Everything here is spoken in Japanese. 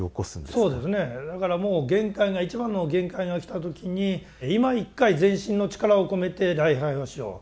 そうですねだからもう限界が一番の限界がきた時にいま一回全身の力を込めて礼拝をしよう。